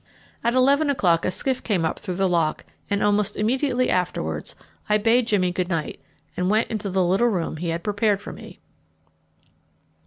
At eleven o'clock a skiff came up through the lock, and almost immediately afterwards I bade Jimmy good night and went into the little room he had prepared for me.